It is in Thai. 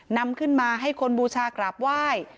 นำขึ้นมาให้คนบูชากราบไหว้